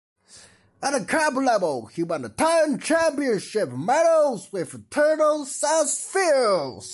At club level he won ten championship medals with Thurles Sarsfield's.